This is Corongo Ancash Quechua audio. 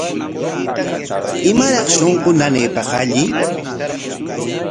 ¿Imaraq shunqu nanaypaq alli?